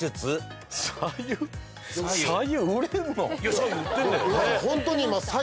白湯売ってんだよね。